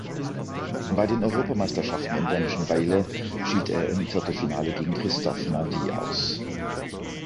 Bei den Europameisterschaften im dänischen Vejle schied er im Viertelfinale gegen Christophe Mendy aus.